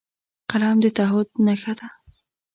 قلم د تعهد نښه ده